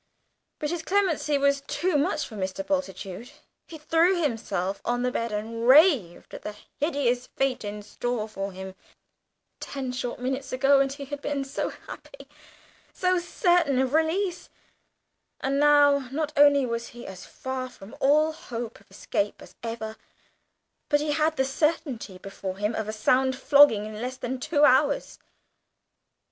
But his clemency was too much for Mr. Bultitude; he threw himself on the bed and raved at the hideous fate in store for him; ten short minutes ago, and he had been so happy so certain of release and now, not only was he as far from all hope of escape as ever, but he had the certainty before him of a sound flogging in less than two hours!